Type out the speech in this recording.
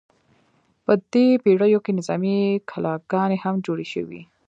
په دې پیړیو کې نظامي کلاګانې هم جوړې شوې.